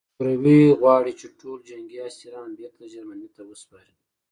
شوروي غواړي چې ټول جنګي اسیران بېرته جرمني ته وسپاري